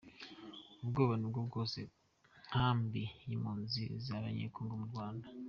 “ Ubwoba ni bwose mu nkambi y’impunzi z’abanyekongo mu Rwanda”